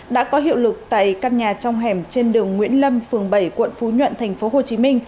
đã có hiệu lực tại căn nhà trong hẻm trên đường nguyễn lâm phường bảy quận phú nhuận tp hcm